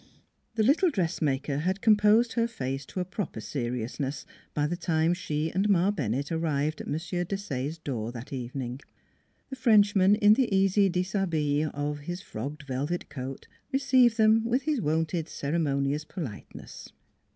The little dressmaker had composed her face to a proper seriousness by the time she and Ma Bennett arrived at M. Desaye's door that even ing. The Frenchman, in the easy dishabille of his frogged velvet coat, received them with his wonted ceremonious politeness.